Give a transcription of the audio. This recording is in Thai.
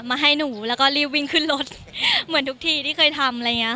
มาให้หนูแล้วก็รีบวิ่งขึ้นรถเหมือนทุกทีที่เคยทำอะไรอย่างเงี้